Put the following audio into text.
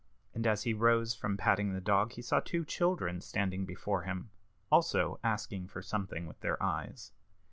And as he rose from patting the dog, he saw two children standing before him, also asking for something with their eyes.